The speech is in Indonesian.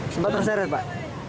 sampai terseret pak